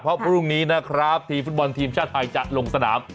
เพราะพรุ่งนี้นะครับทีมฟุตบอลทีมชาติไทยจะลงสนาม